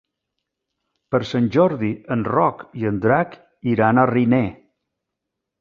Per Sant Jordi en Roc i en Drac iran a Riner.